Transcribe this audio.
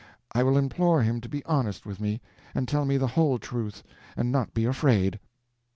I will implore him to be honest with me, and tell me the whole truth, and not be afraid."